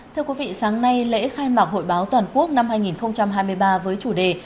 thưa quý vị sáng nay lễ khai mạc hội báo toàn quốc năm hai nghìn hai mươi ba với chủ đề